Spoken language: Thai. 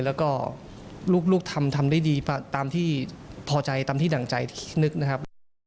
แล้วก็ลูกทำทำได้ดีตามที่พอใจตามที่ดั่งใจที่นึกนะครับ